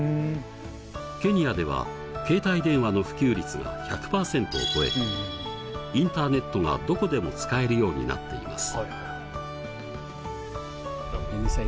ケニアでは携帯電話の普及率が１００％を超えインターネットがどこでも使えるようになっています。